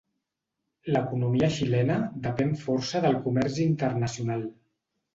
L'economia xilena depèn força del comerç internacional.